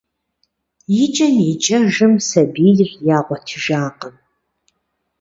Икӏэм-икӏэжым сабийр ягъуэтыжакъым.